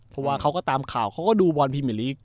เพราะว่าเขาก็ตามข่าวเขาก็ดูบอร์นพิเมริก